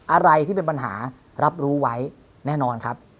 อะไรที่เป็นปัญหารับรู้ไว้แน่นอนครับ